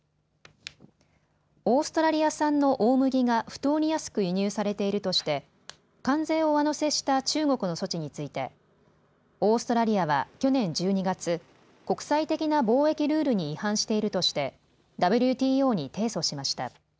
オーストラリア産の大麦が不当に安く輸入されているとして関税を上乗せした中国の措置についてオーストラリアは去年１２月、国際的な貿易ルールに違反しているとしてＷＴＯに提訴しました。